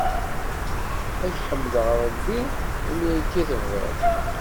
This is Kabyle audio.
Ad k-ḥemdeɣ a Baba, imi akka i tebɣiḍ!